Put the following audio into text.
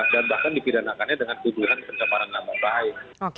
dan bahkan dipidanakannya dengan kebutuhan pencaparan nama baik